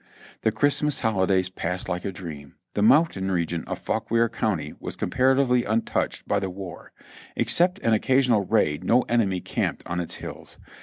The Christmas hoHdays passed like a dream. The mountain region of Fauquier County was comparatively untouched by the war; except an occasional raid no enemy camped on its hills.